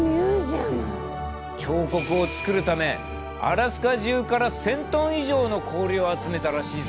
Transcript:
彫刻を作るためアラスカ中から１，０００トン以上の氷を集めたらしいぞ。